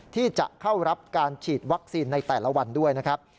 ที่จะเข้ารับการฉีดวัคซีนในแต่ละวันด้วยนะครับ